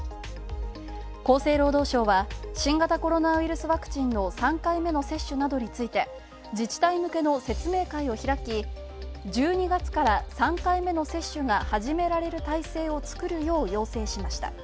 厚生労働相は新型コロナウイルスワクチンの３回目の接種などについて、自治体向けの説明会を開き、１２月から３回目の接種が始められる体制を作るよう要請しました。